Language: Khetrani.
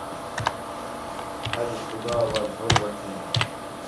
اَڄ خُدا گھل وٹھتیاں